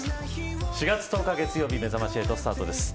４月１０日月曜日めざまし８スタートです。